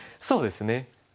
そうですね。